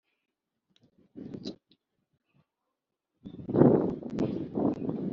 Ntugacumure haba mu bikomeye, haba no mu byoroshye,